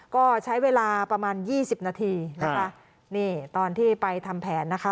ก็ใช้เวลาประมาณยี่สิบนาทีนะคะนี่ตอนที่ไปทำแผนนะคะ